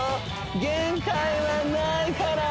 限界はないから！